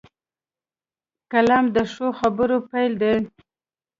قلم د ښو خبرو پيل دی